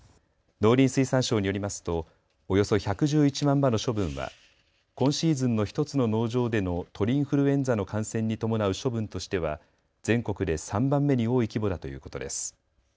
農林水産省によりますとおよそ１１１万羽の処分は今シーズンの１つの農場での鳥インフルエンザの感染に伴う処分としては全国で３番目に多い規模だということです。